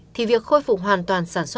thì việc khôi phục hoàn toàn sẽ không được